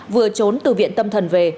vừa trốn từ viện tâm thần về